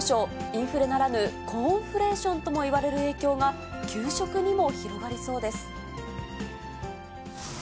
インフレならぬ、コーンフレーションともいわれる影響が給食にも広がりそうです。